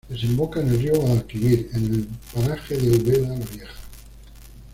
Desemboca en el río Guadalquivir, en el paraje de Úbeda la Vieja.